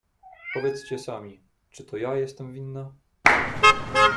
"Powiedzcie sami, czy to ja jestem winna?"